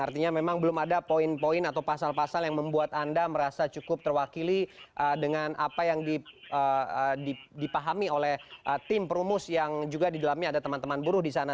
artinya memang belum ada poin poin atau pasal pasal yang membuat anda merasa cukup terwakili dengan apa yang dipahami oleh tim perumus yang juga di dalamnya ada teman teman buruh di sana